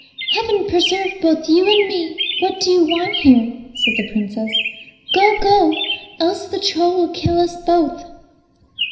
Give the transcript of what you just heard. "Heaven preserve both you and me, what do you want here?" said the Princess. "Go, go, else the troll will kill us both."